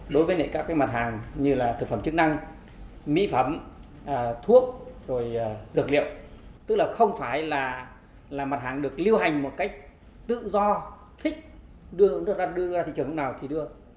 đối với các mặt hàng như thực phẩm chức năng mỹ phẩm thuốc dược liệu tức là không phải là mặt hàng được lưu hành một cách tự do thích đưa ra thị trường nào thì đưa